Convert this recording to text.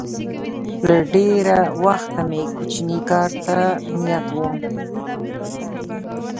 له ډېره وخته مې کوچني کار ته نیت و